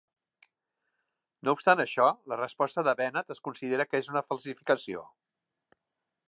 No obstant això, la resposta de Benet es considera que és una falsificació.